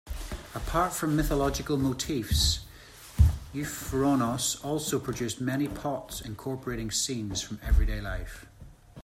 Apart from mythological motifs, Euphronios also produced many pots incorporating scenes from everyday life.